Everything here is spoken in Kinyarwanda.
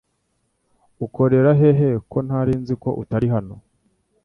Ukorera hehe ko narinziko atari hano?